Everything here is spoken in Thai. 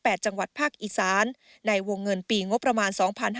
จังหวัดภาคอีสานในวงเงินปีงบประมาณ๒๕๕๙